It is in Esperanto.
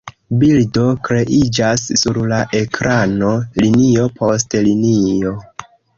Bildo kreiĝas sur la ekrano linio post linio.